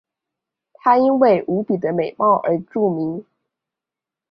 她因为无比的美貌而著名。